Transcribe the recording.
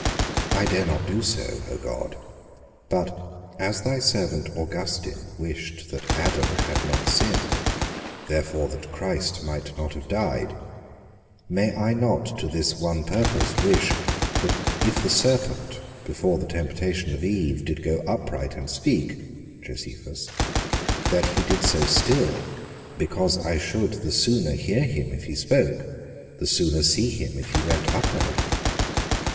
I dare not do so, O God; but as thy servant Augustine wished that Adam had not sinned, therefore that Christ might not have died, may I not to this one purpose wish that if the serpent, before the temptation of Eve, did go upright and speak, that he did so still, because I should the sooner hear him if he spoke, the sooner see him if he went upright?